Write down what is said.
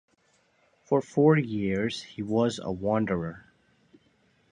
For four years, he was a wanderer.